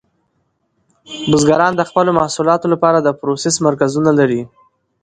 بزګران د خپلو محصولاتو لپاره د پروسس مرکزونه لري.